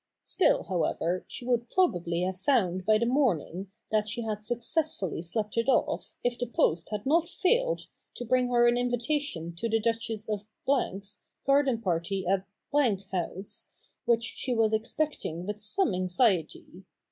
Still, however, she would probably have found by the morning that she had successfully slept it off, if the post had not failed to bring her an invitation to the Duchess of 's garden party at House, which she was expecting with some anxiety.